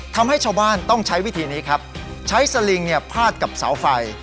ทำให้ชาวบ้านต้องใช้วิธีนี้ครับใช้สลิงเนี่ยพาดกับเสาไฟ